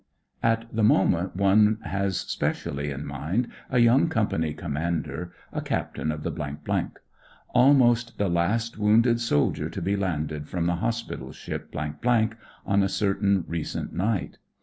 At the moment one has specially in mind a young Company Commander, a Captain of the ; almost the last woimded officer to be landed from the hospital ship on a certain recent night.